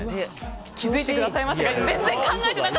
気づいてくださいましたか。